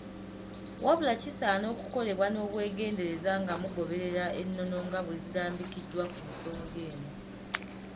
Wabula kisaana okukolebwa n'obwegendereza nga mugoberera ennono nga bwezirambikiddwa ku nsonga eno.